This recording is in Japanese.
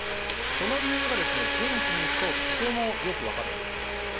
その理由が現地に行くととてもよく分かるんです。